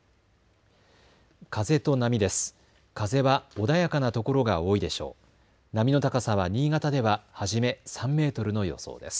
風と波です。